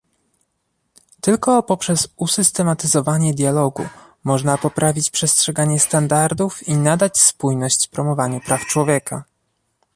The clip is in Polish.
Tylko poprzez usystematyzowanie dialogu można poprawić przestrzeganie standardów i nadać spójność promowaniu praw człowieka